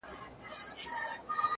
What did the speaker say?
چي رنګ دي په قصه ژړ سو، توروته مه ځه..